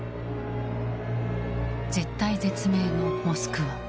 絶体絶命のモスクワ。